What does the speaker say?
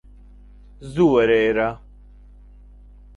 زوو وەرە ئێرە